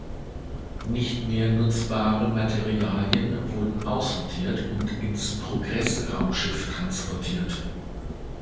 Nicht mehr nutzbare Materialien wurden aussortiert und ins Progress-Raumschiff transportiert.